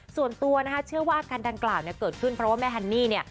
ส่วนตัวเชื่อว่าการดังกล่าวเกิดขึ้นเพราะว่าแม่ฮันนี่